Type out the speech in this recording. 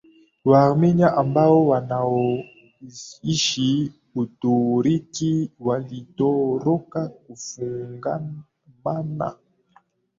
Waarmenia ambao wanaoishi Uturuki walitoroka kufungamana na